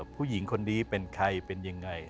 ผู้หญิงคนนี้เป็นใครเป็นยังไง